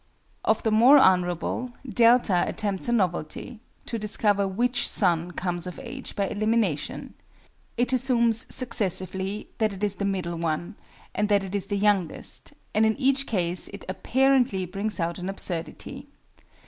Of the more honourable, DELTA attempts a novelty to discover which son comes of age by elimination: it assumes, successively, that it is the middle one, and that it is the youngest; and in each case it apparently brings out an absurdity.